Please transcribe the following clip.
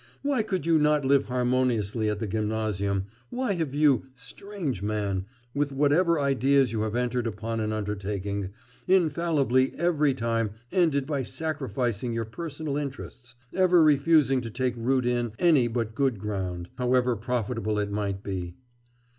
Why could you not live harmoniously at the gymnasium, why have you strange man! with whatever ideas you have entered upon an undertaking, infallibly every time ended by sacrificing your personal interests, ever refusing to take root in any but good ground, however profitable it might be?